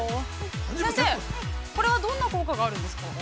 先生、これはどんな効果があるんですか。